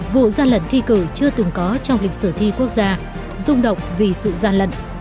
vụ gian lận thi cử chưa từng có trong lịch sử thi quốc gia rung động vì sự gian lận